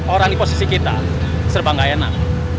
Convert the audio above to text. orang di posisi kita serba gak enak